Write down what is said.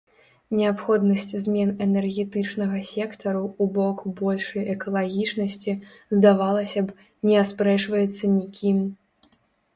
Неабходнасць змен энергетычнага сектару ў бок большай экалагічнасці, здавалася б, не аспрэчваецца ні кім.